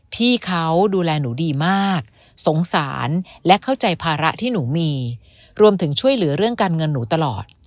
พี่เขาดูแลหนูดีมากสงสารและเข้าใจภาระที่หนูมีรวมถึงช่วยเหลือเรื่องการเงินหนูตลอด